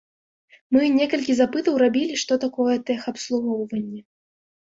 Мы некалькі запытаў рабілі, што такое тэхабслугоўванне.